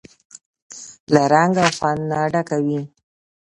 له رنګ او خوند نه ډکه وي.